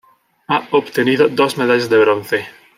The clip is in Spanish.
Ha obtenido dos medallas de bronce.